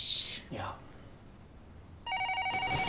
いや。